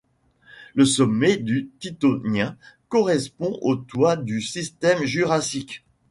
Le sommet du Tithonien correspond au toit du système Jurassique.